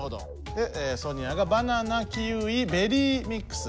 ソニアがバナナキウイベリーミックス。